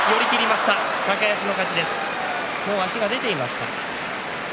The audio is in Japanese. もう碧山の足が出ていました。